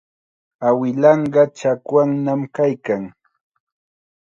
Awilanqa chakwannam kaykan.